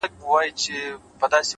نظم وخت سپموي،